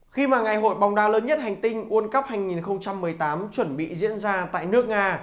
khi mà ngày hội bóng đá lớn nhất hành tinh world cup hai nghìn một mươi tám chuẩn bị diễn ra tại nước nga